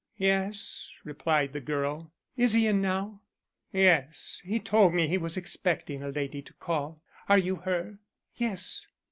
"Yes," replied the girl. "Is he in now?" "Yes, he told me he was expecting a lady to call. Are you her?" "Yes."